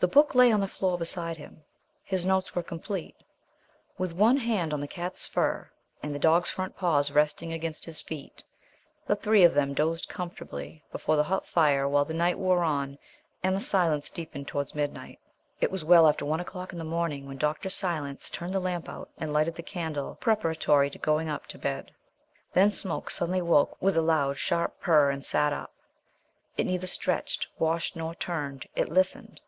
The book lay on the floor beside him, his notes were complete. With one hand on the cat's fur, and the dog's front paws resting against his feet, the three of them dozed comfortably before the hot fire while the night wore on and the silence deepened towards midnight. It was well after one o'clock in the morning when Dr. Silence turned the lamp out and lighted the candle preparatory to going up to bed. Then Smoke suddenly woke with a loud sharp purr and sat up. It neither stretched, washed nor turned: it listened.